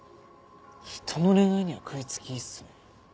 ひとの恋愛には食い付きいいっすね。